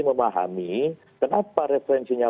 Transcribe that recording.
memahami kenapa referensinya